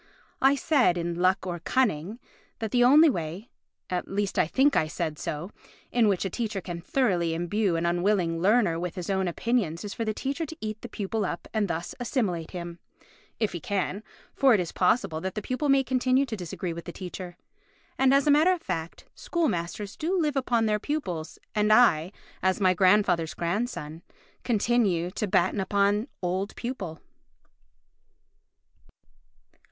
I said in Luck or Cunning? that the only way (at least I think I said so) in which a teacher can thoroughly imbue an unwilling learner with his own opinions is for the teacher to eat the pupil up and thus assimilate him—if he can, for it is possible that the pupil may continue to disagree with the teacher. And as a matter of fact, school masters do live upon their pupils, and I, as my grandfather's grandson, continue to batten upon old pupil.